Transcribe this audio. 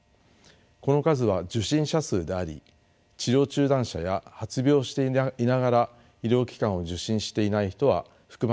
この数は受診者数であり治療中断者や発病していながら医療機関を受診していない人は含まれていません。